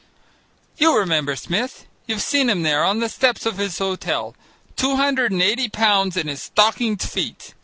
You remember Smith. You've seen him there on the steps of his hotel, two hundred and eighty pounds in his stockinged feet.